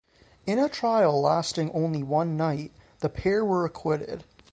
In a trial lasting only one night, the pair were acquitted.